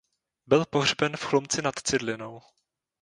Byl pohřben v Chlumci nad Cidlinou.